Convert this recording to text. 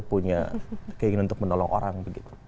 punya keinginan untuk menolong orang begitu